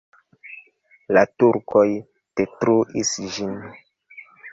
La turkoj detruis ĝin.